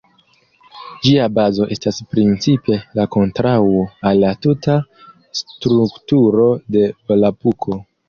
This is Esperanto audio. Ĝia bazo estas principe la kontraŭo al la tuta strukturo de Volapuko.